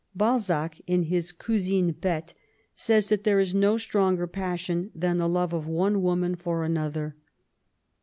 Balzac^ in his Couaine Bette, says that there is no stronger passion than the love of one woman for another.